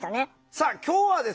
さあ今日はですね